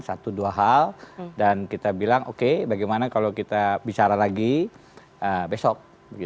satu dua hal dan kita bilang oke bagaimana kalau kita bicara lagi besok